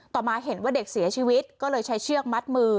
ต่อมาเห็นว่าเด็กเสียชีวิตก็เลยใช้เชือกมัดมือ